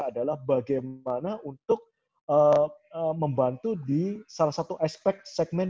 adalah bagaimana untuk membantu di salah satu aspek segmen